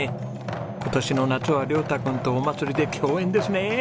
今年の夏は椋太君とお祭りで共演ですね。